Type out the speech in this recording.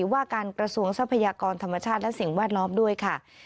ว่าการกระทรวงทรัพยากรธรรมชาติและสิ่งแวดล้อมด้วยค่ะ